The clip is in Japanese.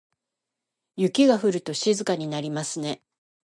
雪が降ると静かになりますね。